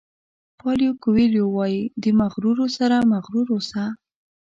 پایلو کویلو وایي د مغرورو سره مغرور اوسه.